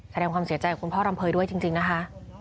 แสดงความเสียใจกับคุณพ่อรำเภยด้วยจริงนะคะ